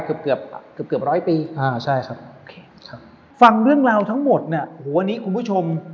เกือบเกือบเกือบร้อยปีอ่าใช่ครับฟังเรื่องราวทั้งหมดเนี่ยโอ้โหวันนี้คุณผู้ชม